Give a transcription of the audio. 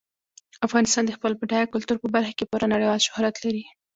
افغانستان د خپل بډایه کلتور په برخه کې پوره نړیوال شهرت لري.